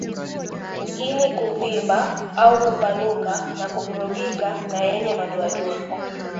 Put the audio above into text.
Ini kuvimba au kupanuka na kuvurugika na yenye madoadoa